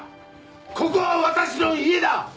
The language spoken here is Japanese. ここは私の家だ！